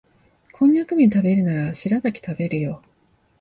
コンニャクめん食べるならシラタキ食べるよ